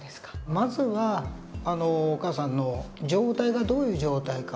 まずはお母さんの状態がどういう状態か。